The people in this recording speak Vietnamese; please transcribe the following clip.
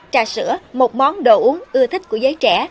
trà sữa một món đồ uống ưa thích của giới trẻ